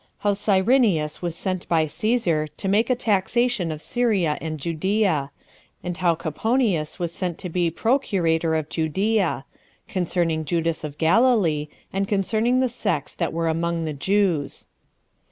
How Cyrenius Was Sent By Cæsar To Make A Taxation Of Syria And Judea; And How Coponius Was Sent To Be Procurator Of Judea; Concerning Judas Of Galilee And Concerning The Sects That Were Among The Jews.